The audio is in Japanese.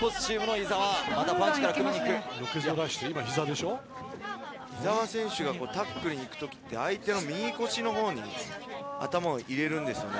伊澤選手がタックルに行く時って相手の右腰のほうに頭を入れるんですよね。